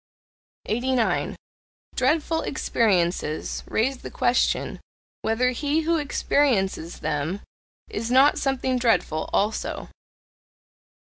89. Dreadful experiences raise the question whether he who experiences them is not something dreadful also.